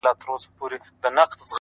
چي مي دا خپلي شونډي _